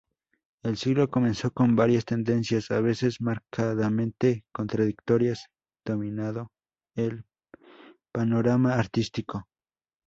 El siglo comenzó con varias tendencias, a veces marcadamente contradictorias, dominado el panorama artístico.